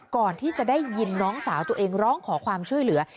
ก่อนที่จะได้ยินน้องสาวตัวเองร้องขอความช่วยเหลือ